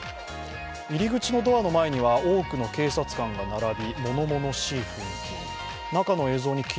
入り口のドアの前には多くの警察官が並びものものしい雰囲気に。